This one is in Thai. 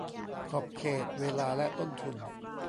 ขอบเขต เวลา และต้นทุน